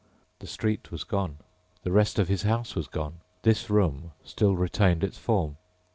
The street was gone. The rest of his house was gone. This room still retained its form.